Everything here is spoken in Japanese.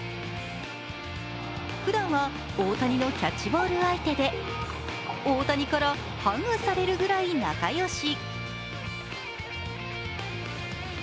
ふだんは大谷のキャッチボール相手で、大谷からハグされるぐらい仲良し。